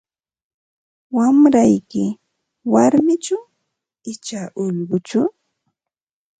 Wamrayki warmichu icha ullquchu?